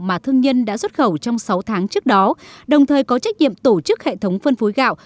mà thương nhân đã xuất khẩu trong sáu tháng trước đó đồng thời có trách nhiệm tổ chức hệ thống phân phối gạo